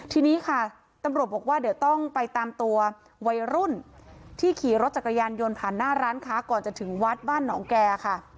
ทีนี้ค่ะตำรวจบอกว่าเดี๋ยวต้องไปตามตัววัยรุ่นที่ขี่รถจักรยานยนต์ผ่านหน้าร้านค้าก่อนจะถึงวัดบ้านหนองแก่ค่ะ